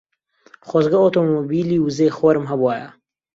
خۆزگە ئۆتۆمۆبیلی وزەی خۆرم هەبوایە.